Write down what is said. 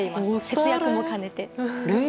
節約も兼ねて。